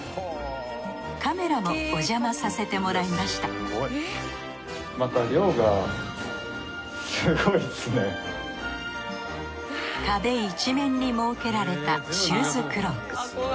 カメラもおじゃまさせてもらいました壁いちめんに設けられたシューズクローク。